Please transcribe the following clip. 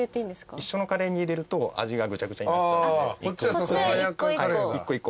一緒のカレーに入れると味がぐちゃぐちゃになっちゃうんで１個１個。